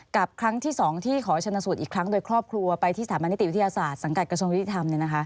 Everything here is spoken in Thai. ครั้งที่๒ที่ขอชนสูตรอีกครั้งโดยครอบครัวไปที่สถาบันนิติวิทยาศาสตร์สังกัดกระทรวงยุติธรรม